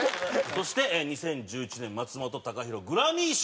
そして２０１１年松本孝弘グラミー賞受賞。